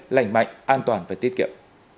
lành mạnh an toàn và tiết kiệm